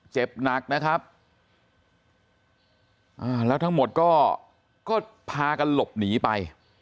เจ็บหนักนะครับแล้วทั้งหมดก็พากันหลบหนีไป